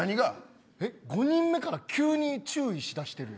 ５人目から急に注意しだしてる。